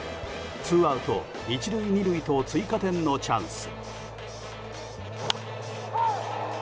ツーアウト１塁２塁と追加点のチャンス。